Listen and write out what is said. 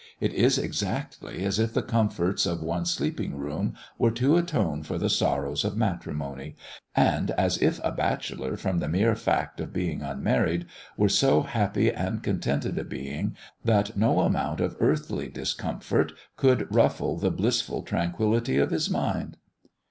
It is exactly as if the comforts of one's sleeping room were to atone for the sorrows of matrimony, and as if a bachelor, from the mere fact of being unmarried, were so happy and contented a being, that no amount of earthly discomfort could ruffle the blissful tranquillity of his mind!